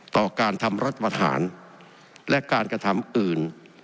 ต่อการทำรัฐประหารและการกระทำอื่น